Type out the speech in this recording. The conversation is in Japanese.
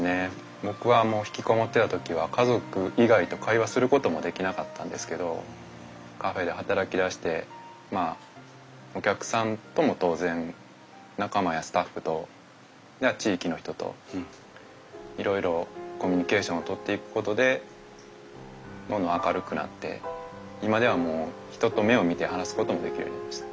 僕はもう引きこもってた時は家族以外と会話することもできなかったんですけどカフェで働き出してまあお客さんとも当然仲間やスタッフと地域の人といろいろコミュニケーションを取っていくことでどんどん明るくなって今ではもう人と目を見て話すこともできるようになりました。